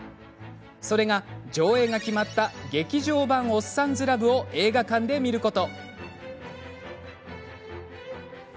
それが、上映が決まった「劇場版おっさんずラブ」を映画館で見ること。